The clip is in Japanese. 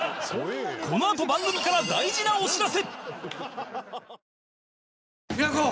このあと番組から大事なお知らせ